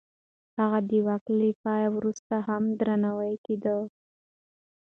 هغه د واک له پای وروسته هم درناوی کېده.